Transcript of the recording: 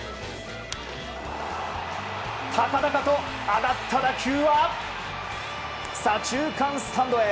高々と上がった打球は左中間スタンドへ。